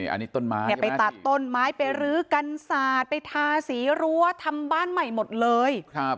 อันนี้ต้นไม้เนี่ยไปตัดต้นไม้ไปรื้อกันศาสตร์ไปทาสีรั้วทำบ้านใหม่หมดเลย